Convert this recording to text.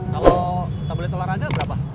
kalau tabloid olahraga berapa